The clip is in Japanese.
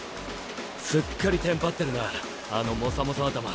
すっかりテンパってるなあのモサモサ頭。